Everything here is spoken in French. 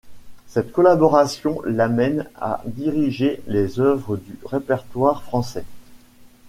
Cette collaboration l’amène à diriger les œuvres du répertoire français.